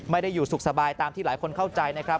ไม่ได้อยู่สุขสบายตามที่หลายคนเข้าใจนะครับ